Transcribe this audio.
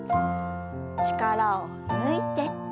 力を抜いて。